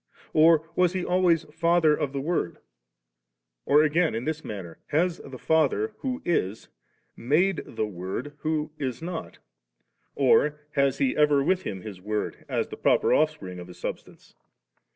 or was He always Father of the Word ? Or again in this manner. Has the Father 'who is' made the Word *who is not,' or has He ever wid» Him His Word, as the proper offspring of His substance?